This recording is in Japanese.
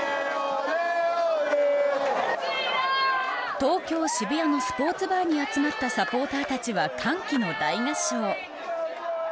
東京、渋谷のスポーツバーに集まったサポーターたちは歓喜の大合唱。